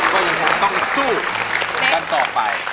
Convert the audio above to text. ก็ยังคงต้องสู้กันต่อไป